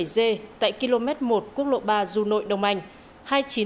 hai nghìn chín trăm linh bảy g tại km một quốc lộ ba du nội đồng anh